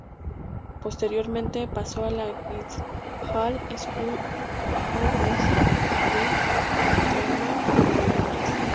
Posteriormente, pasó a la Guildhall School of Music and Drama, de Londres.